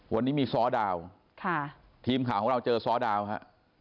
วันนี้มีซ้อดาวค่ะทีมข่าวของเราเจอซ้อดาวฮะ